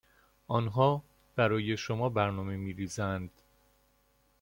آنها برای شما برنامه میریزند